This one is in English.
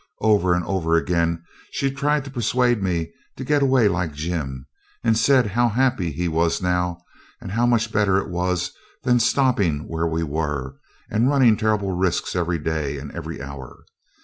Over and over again she tried to persuade me to get away like Jim, and said how happy he was now, and how much better it was than stopping where we were, and running terrible risks every day and every hour.